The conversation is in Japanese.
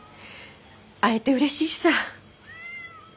会えてうれしいさ。